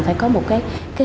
phải có một cái